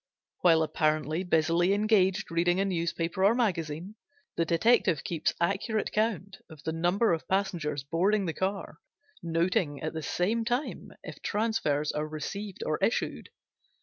While apparently busily engaged reading a newspaper or magazine, the detective keeps accurate count of the number of passengers boarding the car, noting at the same time if transfers are received or issued.